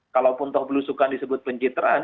kalaupun toh belusukan disebut pencitraan